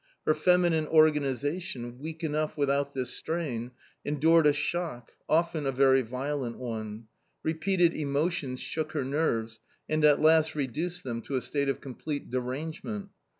Her feminine organisation, weak enough without this strain, endured a shock, often a very violent one. Repeated emotions shook her nerves, and at last reduced them to a state of complete derangement.